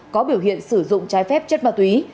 có biểu hiện sử dụng trái phép chất ma túy